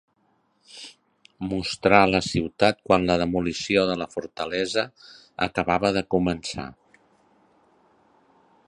Mostra la ciutat quan la demolició de la fortalesa acabava de començar.